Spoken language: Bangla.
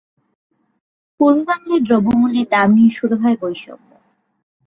পূর্ব বাংলায় দ্রব্যমূল্যের দাম নিয়ে শুরু হয় বৈষম্য।